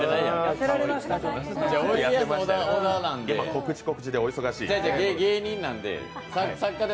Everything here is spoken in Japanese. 告知、告知でお忙しいから。